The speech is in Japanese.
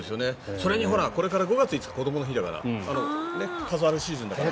それにこれから５月５日、こどもの日だから飾る日だから。